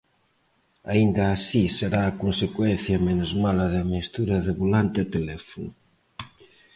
Aínda así será a consecuencia menos mala da mestura de volante e teléfono.